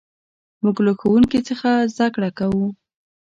موږ له ښوونکي څخه زدهکړه کوو.